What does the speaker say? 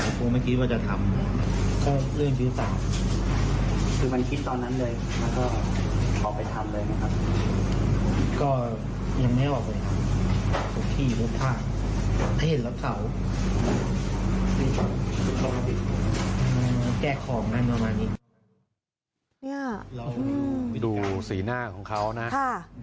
แก้ของมันประมาณนี้นี่ฮะเราดูสีหน้าของเขานะค่ะ